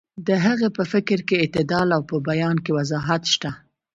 د هغه په فکر کې اعتدال او په بیان کې وضاحت شته.